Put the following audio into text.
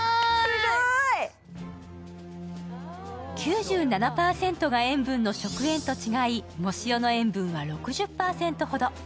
９７％が塩分の食塩と違い、藻塩の塩分は６０％ほど。